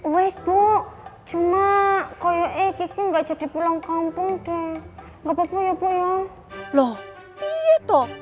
wes bu cuma kaya gigi nggak jadi pulang kampung tuh nggak papa ya bu ya loh gitu